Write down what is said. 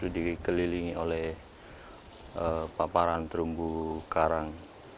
dikelilingi oleh paparan terumbu karang